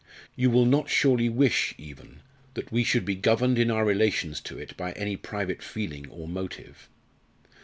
You will not surely wish even, that we should be governed in our relations to it by any private feeling or motive?"